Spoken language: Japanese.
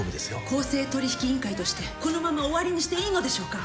公正取引委員会としてこのまま終わりにしていいのでしょうか。